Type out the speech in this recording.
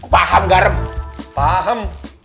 paham garam paham